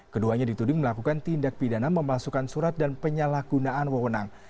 keduanya dituding melakukan tindak pidana memalsukan surat dan penyalahgunaan wewenang